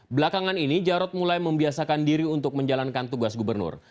belakangan ini jarod mulai membiasakan diri untuk menjalankan tugas gubernur